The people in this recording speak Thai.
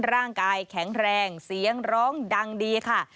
ร่างกายแข็งแรงเสียงร้องดังดีค่ะ